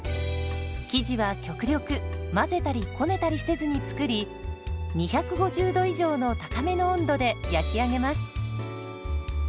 生地は極力混ぜたりこねたりせずに作り２５０度以上の高めの温度で焼き上げます。